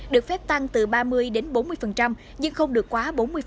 được phép tăng từ ba mươi đến bốn mươi nhưng không được quá bốn mươi